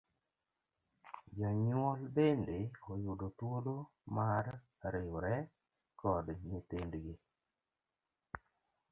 Jonyuol bende oyudo thuolo mar riwre koda nyithind gi.